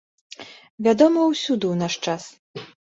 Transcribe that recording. Вядома ўсюды ў наш час.